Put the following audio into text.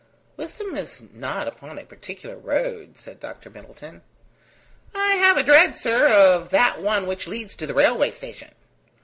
"Wisdom is not upon a particular road," said Dr. Middleton. "I have a dread, sir, of that one which leads to the railway station."